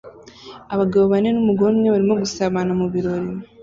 Abagabo bane numugore umwe barimo gusabana mubirori